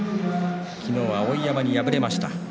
昨日は碧山に敗れました。